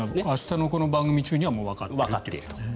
明日のこの番組中にはわかっていると。